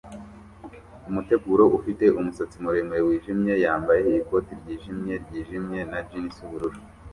Umutegarugori ufite umusatsi muremure wijimye yambaye ikoti ryijimye ryijimye na jans yubururu